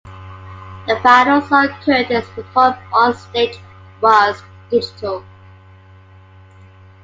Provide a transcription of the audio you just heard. The final song Curtis performed onstage was "Digital".